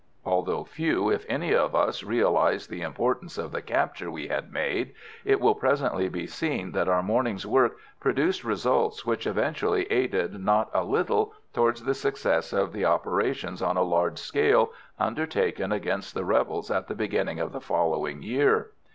Although few, if any, of us realised the importance of the capture we had made, it will presently be seen that our morning's work produced results which eventually aided not a little towards the success of the operations on a large scale undertaken against the rebels at the beginning of the following year.